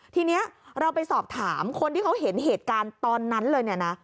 ทีนี้เราไปสอบถามคนที่เขาเห็นเหตุการณ์ตอนนั้นเลยเนี่ยนะ